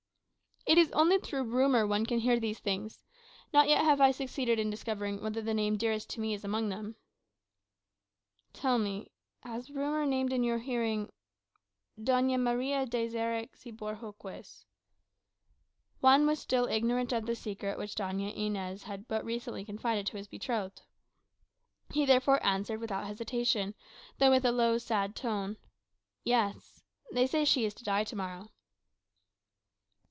"It is only through rumour one can hear these things. Not yet have I succeeded in discovering whether the name dearest to me is amongst them." "Tell me has rumour named in your hearing Doña Maria de Xeres y Bohorques?" Juan was still ignorant of the secret which Doña Inez had but recently confided to his betrothed. He therefore answered, without hesitation, though in a low, sad tone, "Yes; they say she is to die to morrow."